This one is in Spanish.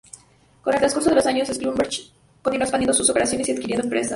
Con el transcurso de los años, Schlumberger continuó expandiendo sus operaciones y adquiriendo empresas.